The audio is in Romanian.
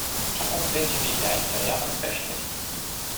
Acum zece mii de ani trăiam în peșteri.